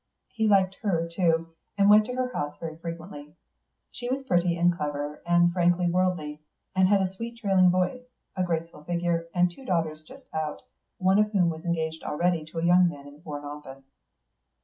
He liked her too, and went to her house very frequently. She was pretty and clever and frankly worldly, and had a sweet trailing voice, a graceful figure, and two daughters just out, one of whom was engaged already to a young man in the Foreign Office.